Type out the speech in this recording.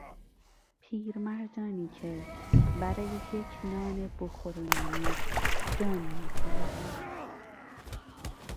پیرمردانی که برای یک نان بخور و نمیر جان میکندند